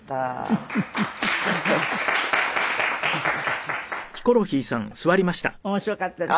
フフ面白かったです。